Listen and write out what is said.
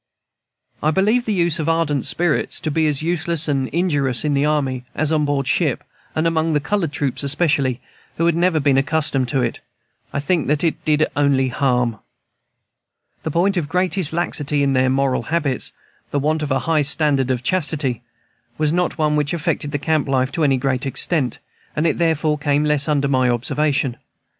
I believe the use of ardent spirits to be as useless and injurious in the army as on board ship, and among the colored troops, especially, who had never been accustomed to it, I think that it did only harm. The point of greatest laxity in their moral habits the want of a high standard of chastity was not one which affected their camp life to any great extent, and it therefore came less under my observation.